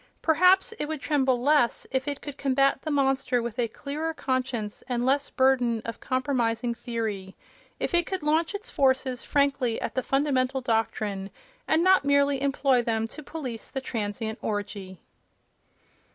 Perhaps it would tremble less if it could combat the monster with a clearer conscience and less burden of compromising theory—if it could launch its forces frankly at the fundamental doctrine, and not merely employ them to police the transient orgy.